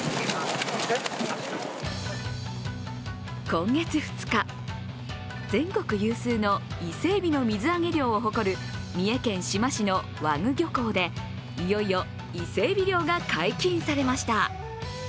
今月２日、全国有数の伊勢えびの水揚げ量を誇る三重県志摩市の和具漁港でいよいよ伊勢エビ漁が解禁されました。